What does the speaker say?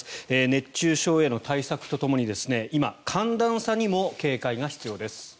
熱中症への対策とともに今、寒暖差にも警戒が必要です。